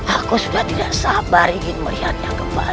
aku sudah tidak sabar ingin melihatnya kembali